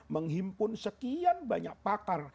menghimpun sekian banyak pakar